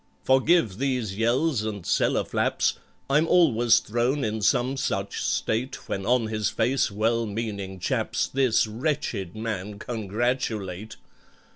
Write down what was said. "Forgive these yells and cellar flaps: I'm always thrown in some such state When on his face well meaning chaps This wretched man congratulate.